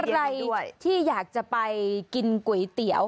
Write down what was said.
ใครที่อยากจะไปกินก๋วยเตี๋ยว